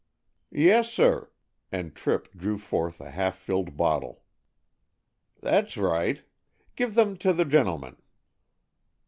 "Yessir;" and Tripp drew forth a half filled bottle. "That's right. Give them to the gentleman."